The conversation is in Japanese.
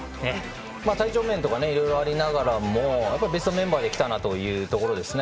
体調面とかいろいろありながらもベストメンバーできたなという印象ですね。